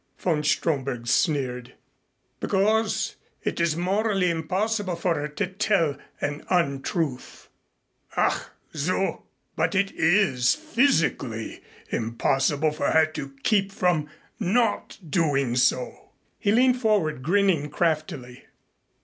Von Stromberg sneered. "Because it is morally impossible for her to tell an untruth." "Ach, so. But it is physically impossible for her to keep from not doing so." He leaned forward, grinning craftily.